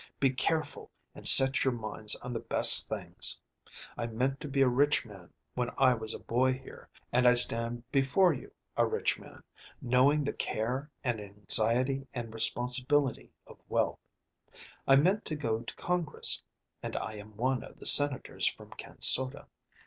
Be careful and set your minds on the best things. I meant to be a rich man when I was a boy here, and I stand before you a rich man, knowing the care and anxiety and responsibility of wealth. I meant to go to Congress, and I am one of the Senators from Kansota.